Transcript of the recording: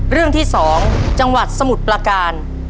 เรื่องที่๒จังหวัดสมุทรประการ